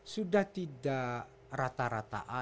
sudah tidak rata rata